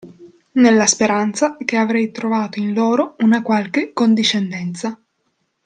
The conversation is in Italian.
Nella speranza che avrei trovato in loro una qualche condiscendenza.